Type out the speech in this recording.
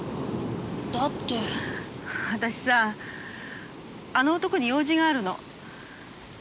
あたしさあの男に用事があるの。